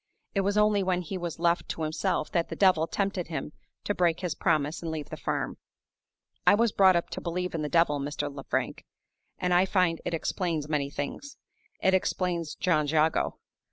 It was only when he was left to himself that the Devil tempted him to break his promise and leave the farm. I was brought up to believe in the Devil, Mr. Lefrank; and I find it explains many things. It explains John Jago.